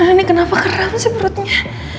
ini kenapa keren sih perutnya